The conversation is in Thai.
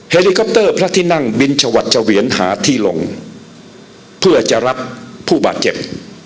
ลิคอปเตอร์พระที่นั่งบินชวัดเฉวียนหาที่ลงเพื่อจะรับผู้บาดเจ็บ